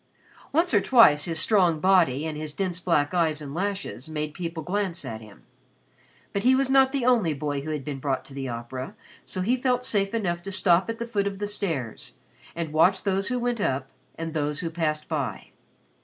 Once or twice his strong body and his dense black eyes and lashes made people glance at him, but he was not the only boy who had been brought to the opera so he felt safe enough to stop at the foot of the stairs and watch those who went up and those who passed by.